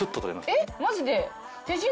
えっマジで手品？